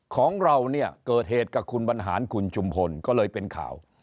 ของเราเนี่ยเกิดเหตุกับคุณบรรหารคุณชุมพลก็เลยเป็นข่าว